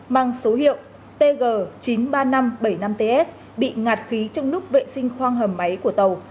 mang số hiệu tg chín mươi ba nghìn năm trăm bảy mươi năm ts bị ngạt khí trong lúc vệ sinh khoang hầm máy của tàu